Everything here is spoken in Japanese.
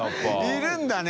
いるんだね！